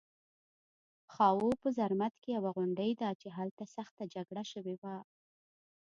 خاوو په زرمت کې یوه غونډۍ ده چې هلته سخته جګړه شوې وه